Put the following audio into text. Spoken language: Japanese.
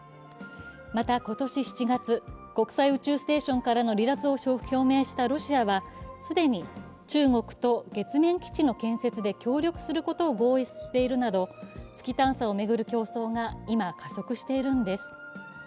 また今年７月、国際宇宙ステーションからの離脱を表明したロシアは既に中国と月面基地の建設で協力することを合意しているなど月探査を巡る競争が今、加速しているんです。